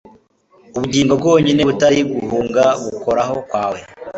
Ubugingo bwonyine butari guhunga Gukoraho kwawe,